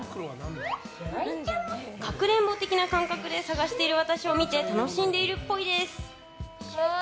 かくれんぼ的な感覚で探してる私を見て楽しんでるっぽいです。